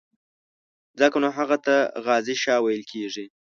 ځکه نو هغه ته غازي شاه ویل کېږي.